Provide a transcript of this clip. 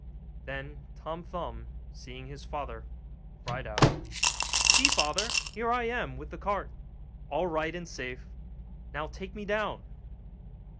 Then Tom Thumb, seeing his father, cried out, 'See, father, here I am with the cart, all right and safe! now take me down!